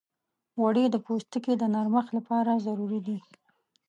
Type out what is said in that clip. غوړې د پوستکي د نرمښت لپاره ضروري دي.